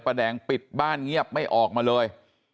แดงปิดบ้านเงียบไม่ออกมาเลย